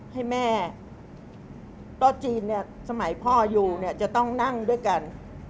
ให้แม่โต๊ะจีนเนี่ยสมัยพ่ออยู่เนี่ยจะต้องนั่งด้วยกัน